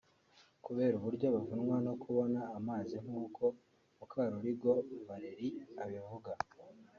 kubera uburyo bavunwa no kubona amazi nk’uko Mukamurigo Vallerie abivuga